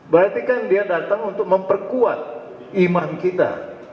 berarti kan dia datang untuk memperkuat iman kita